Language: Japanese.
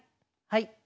はい。